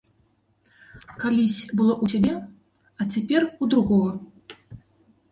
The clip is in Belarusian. Калісь было ў цябе, а цяпер у другога.